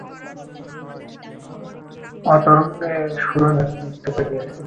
র তানতরঙ্গে সুরধুনী নৃত্য করিতেছেন।